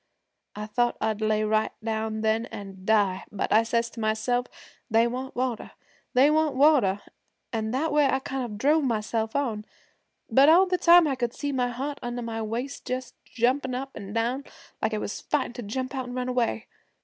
I thought I'd lay right down then an' die, but I says to myself, "They want water, they want water" an' that way I kind of drove myself on. But all the time I could see my heart under my waist just jumpin' up an' down, like it was fightin' to jump out an' run away.